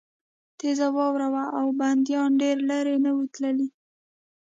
تېزه واوره وه او بندیان ډېر لېرې نه وو تللي